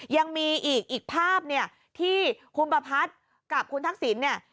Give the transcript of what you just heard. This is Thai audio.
ยังมีอีกภาพเนี่ยที่คุณประพัทธ์กับคุณทักษิณเนี่ย